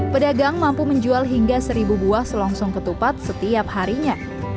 pedagang mampu menjual hingga seribu buah selongsong ketupat setiap harinya